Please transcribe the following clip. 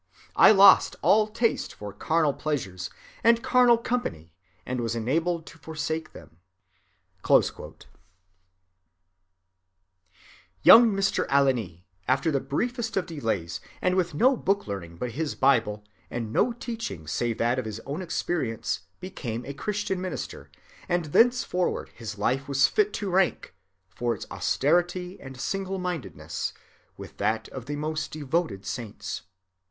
I lost all taste for carnal pleasures, and carnal company, and was enabled to forsake them."(120) Young Mr. Alline, after the briefest of delays, and with no book‐learning but his Bible, and no teaching save that of his own experience, became a Christian minister, and thenceforward his life was fit to rank, for its austerity and single‐mindedness, with that of the most devoted saints.